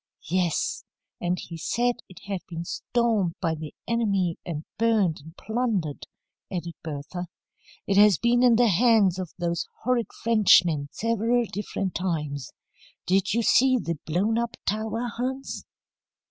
"Yes, and he said it had been stormed by the enemy, and burned and plundered," added Bertha. "It has been in the hands of those horrid Frenchmen several different times. Did you see the blown up tower, Hans?"